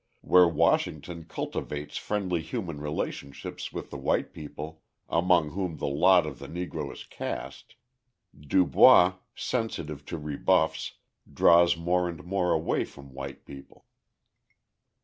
Where Washington cultivates friendly human relationships with the white people among whom the lot of the Negro is cast, Du Bois, sensitive to rebuffs, draws more and more away from white people.